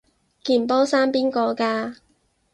件波衫邊個㗎？